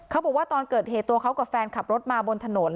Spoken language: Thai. บอกว่าตอนเกิดเหตุตัวเขากับแฟนขับรถมาบนถนน